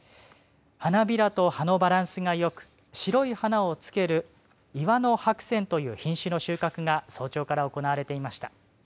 花びらと葉のバランスがよく白い花をつける岩の白扇という品種の収穫が早朝から行われていました。